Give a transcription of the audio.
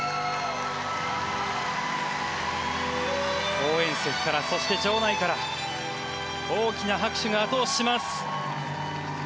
応援席から、場内から大きな拍手があと押しします。